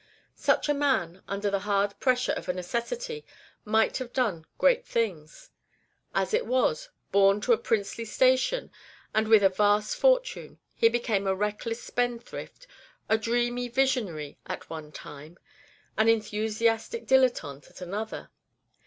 Such a man, under the hard pressure of a necessity, might have done great things; as it was, born to a princely station, and with a vast fortune, he became a reckless spendthrift, a dreamy visionary at one time, an enthusiastic dilettante at another.